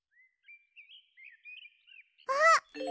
あっ！